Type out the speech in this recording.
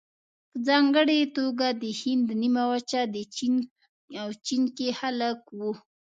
په ځانګړې توګه د هند نیمه وچه او چین کې خلک وو.